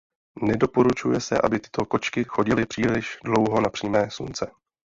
Nedoporučuje se aby tyto kočky chodili příliš dlouho na přímé slunce.